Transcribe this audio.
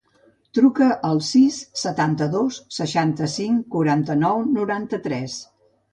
Truca al sis, setanta-dos, seixanta-cinc, quaranta-nou, noranta-tres.